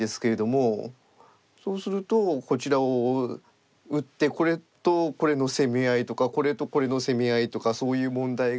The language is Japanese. そうするとこちらを打ってこれとこれの攻め合いとかこれとこれの攻め合いとかそういう問題が。